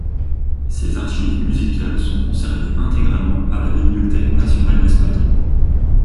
Ses archives musicales sont conservées intégralement à la Bibliothèque nationale d'Espagne.